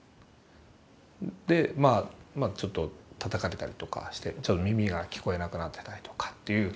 でまあちょっとたたかれたりとかしてちょっと耳が聞こえなくなってたりとかという。